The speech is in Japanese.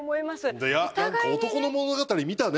何か男の物語見たね。